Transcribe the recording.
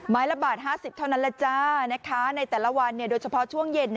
ละบาท๕๐เท่านั้นแหละจ้าในแต่ละวันโดยเฉพาะช่วงเย็น